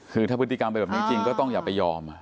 คือถ้าพฤติกรรมเป็นแบบนี้จริงก็ต้องอย่าไปยอม